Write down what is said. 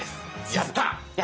やった！